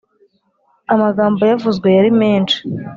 amagambo yavuzwe yari menshi